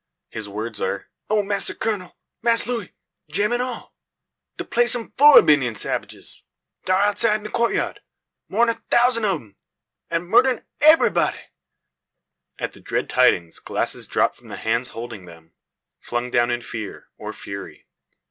His words are, "Oh, Mass Kurnel! Mass Looey! Gemmen all! De place am full ob Indyin sabbages! Dar outside in de coatyard, more'n a thousan' ob um; an' murderin' ebbery body!" At the dread tidings, glasses drop from the hands holding them, flung down in fear, or fury.